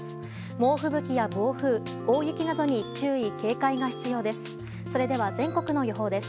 猛吹雪や暴風、大雪などに注意・警戒が必要です。